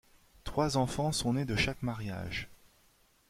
Trois enfants sont nés de chaque mariage.